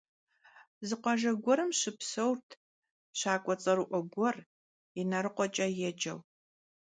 Zı khuajje guerım şıpseurt şak'ue ts'erı'ue guer Yinalıkhueç'e yêceu.